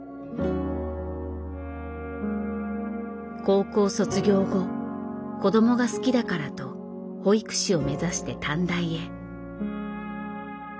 高校卒業後子どもが好きだからと保育士を目指して短大へ。